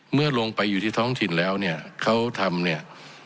เมื่อลงไปอยู่ที่ท้องถิ่นแล้วเนี่ยเขาทำเนี่ย